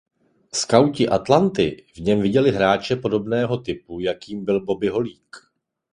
Skauti Atlanty v něm viděli hráče podobného typu jakým byl Bobby Holík.